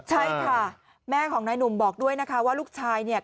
ใช่ค่ะแม่ของนายหนุ่มบอกด้วยนะคะว่าลูกชายเนี่ย